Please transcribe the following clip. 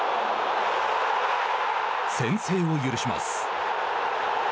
先制を許します。